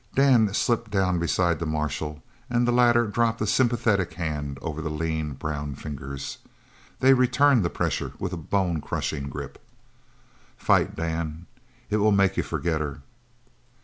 Dan slipped down beside the marshal and the latter dropped a sympathetic hand over the lean, brown fingers. They returned the pressure with a bone crushing grip. "Fight, Dan! It will make you forget her."